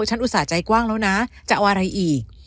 อุตส่าห์ใจกว้างแล้วนะจะเอาอะไรอีก